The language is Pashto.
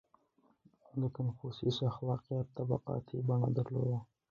• د کنفوسیوس اخلاقیات طبقاتي بڼه درلوده.